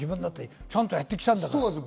ちゃんとやってきたんだから。